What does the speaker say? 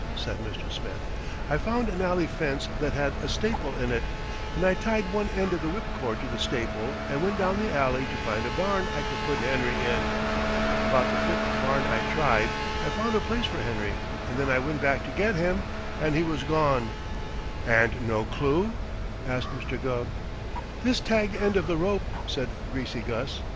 said Mr. Smith. "I found an alley fence that had a staple in it, and I tied one end of the whipcord to the staple and went down the alley to find a barn I could put Henry in. About the fifth barn I tried I found a place for Henry and then I went back to get him, and he was gone!" "And no clue?" asked Mr. Gubb. "This tag end of the rope," said Greasy Gus.